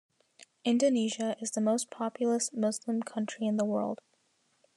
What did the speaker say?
Indonesia is the most populous Muslim country in the world.